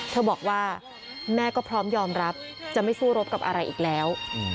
เธอบอกว่าแม่ก็พร้อมยอมรับจะไม่สู้รบกับอะไรอีกแล้ว